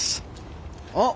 あっ！